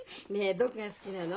どこが好きなの？